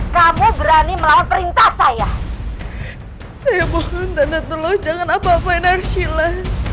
kamu berani melawan perintah saya saya mohon tante tolong jangan apa apain arsila